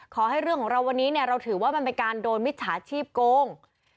ขอให้เรื่องของเราวันนี้เนี่ยเราถือว่ามันเป็นการโดนมิจฉาชีพโกง